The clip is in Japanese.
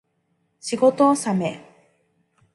仕事納め